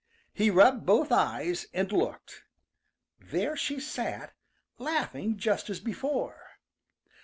He rubbed both eyes and looked. There she sat, laughing just as before.